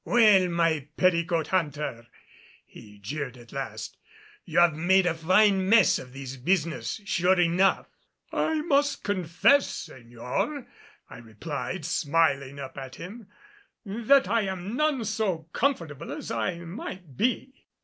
"Well, my petticoat hunter," he jeered at last, "you have made a fine mess of this business, sure enough." "I must confess, Señor," I replied, smiling up at him, "that I am none so comfortable as I might be."